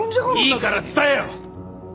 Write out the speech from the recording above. いいから伝えよ！